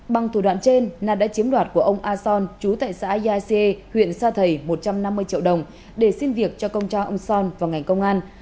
bằng thủ đoạn trên ina đã chiếm lọt của ông a son chú tại xã yace huyện sa thầy một trăm năm mươi triệu đồng để xin việc cho công tra ông son vào ngành công an